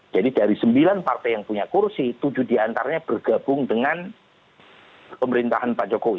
jadi dari sembilan partai yang punya kursi tujuh di antaranya bergabung dengan pemerintahan pak jokowi